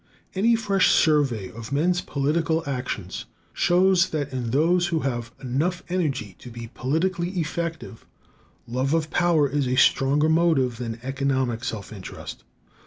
Any fresh survey of men's political actions shows that, in those who have enough energy to be politically effective, love of power is a stronger motive than economic self interest.